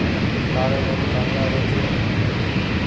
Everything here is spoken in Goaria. ڪآڙو رنگ ڪآنگلآ رو ڇي۔